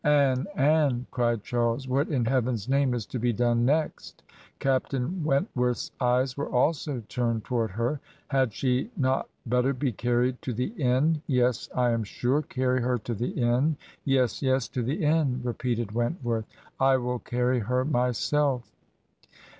'Anne, Anne,' cried Charles, 'what in Heaven's name is to be done next?' Captain Went worth's eyes were also turned toward ^, her. ' Had she not better be carried to the inn? Yes, I am sure; carry her to the inn.' 'Yes, yes, to the inix/ repeated Went worth. ... 'I will carry her my 3lf.'